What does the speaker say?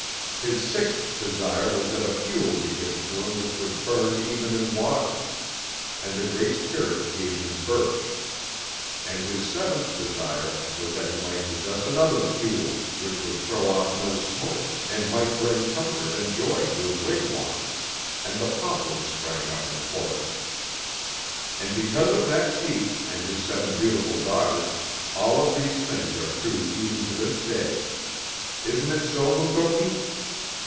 His sixth desire was that a fuel be given to him which would burn even in water, and the Great Spirit gave him birch; and his seventh desire was that he might possess another fuel, which would throw off no smoke, and might bring comfort and joy to his wigwams and the poplar sprang up in the forests. And because of that chief, and his seven beautiful daughters, all of these things are true even to this day. Isn't it so, Mukoki?"